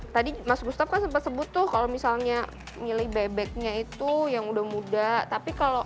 tadi mas gustaf kan sempat sebut tuh kalau misalnya milih bebeknya itu yang udah muda tapi kalau